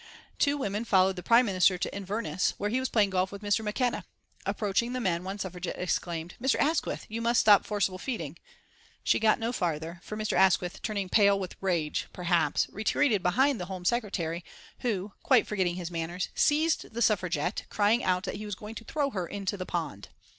Two women followed the Prime Minister to Inverness, where he was playing golf with Mr. McKenna. Approaching the men one Suffragette exclaimed: "Mr. Asquith, you must stop forcible feeding " She got no farther, for Mr. Asquith, turning pale with rage perhaps retreated behind the Home Secretary, who, quite forgetting his manners, seized the Suffragette, crying out that he was going to throw her into the pond.